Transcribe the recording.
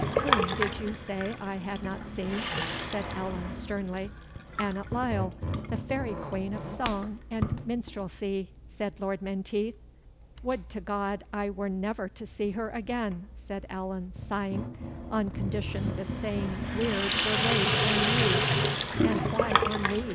"Whom did you say I had not seen?" said Allan, sternly. "Annot Lyle, the fairy queen of song and minstrelsy," said Lord Menteith. "Would to God I were never to see her again," said Allan, sighing, "On condition the same weird were laid on you!" "And why on me?"